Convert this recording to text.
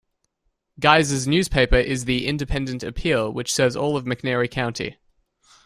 Guys's newspaper is the "Independent Appeal", which serves all of McNairy County.